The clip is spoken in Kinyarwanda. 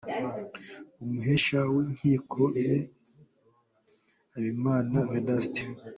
Umuhesha w’ Inkiko Me Habimana Vedaste.